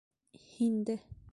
Һин дә.